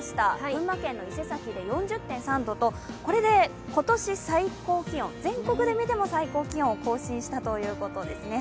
群馬県の伊勢崎で４０．３度と、これで今年最高気温全国で見ても最高気温を更新したということですね。